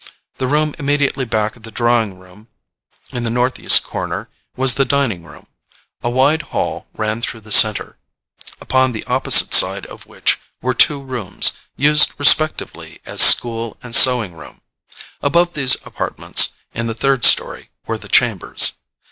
The room immediately back of the drawing room, in the north east corner, was the dining room: a wide hall ran through the centre, upon the opposite side of which were two rooms, used respectively as school and sewing room. Above these apartments, in the third story, were the chambers.